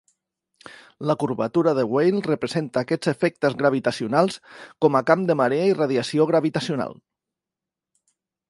La curvatura de Weyl representa aquests efectes gravitacionals com a camp de marea i radiació gravitacional.